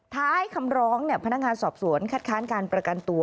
ท้ายคำร้องพนักงานสอบสวนคัดค้านการประกันตัว